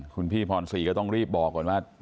คุณพี่พรศรีก็ต้องรีบบอกก่อนว่า